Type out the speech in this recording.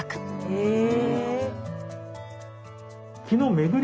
へえ！